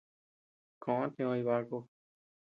Koʼo tiö Jibaku.